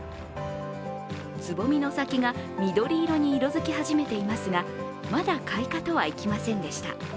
つぼみの先が緑色に色づき始めていますがまだ開花とはいきませんでした。